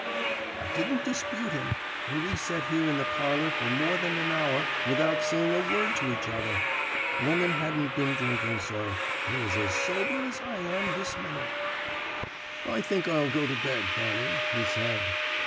"I didn't dispute with him, and we set here in the parlour for more than an hour without saying a word to each other. Lemon hadn't been drinking, sir; he was as sober as I am this minute. "'I think I'll go to bed, Fanny,' he said.